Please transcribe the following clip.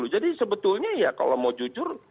jadi sebetulnya ya kalau mau jujur